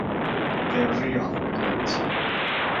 Fe ruodd y gwynt.